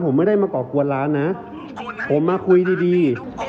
ผมไม่ได้มาก่อกวนร้านนะผมมาคุยดีดี